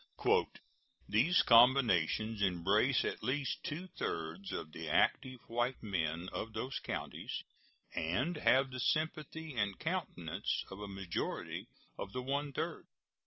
"These combinations embrace at least two thirds of the active white men of those counties, and have the sympathy and countenance of a majority of the one third.